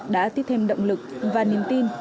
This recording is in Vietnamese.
đã tiết thêm động lực và niềm tin